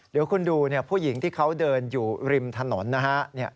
เดี๋ยวคุณดูผู้หญิงที่เขาเดินอยู่ริมถนนนะฮะ